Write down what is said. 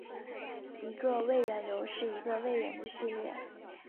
一个位元流是一个位元的序列。